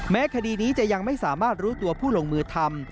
คดีนี้จะยังไม่สามารถรู้ตัวผู้ลงมือทำ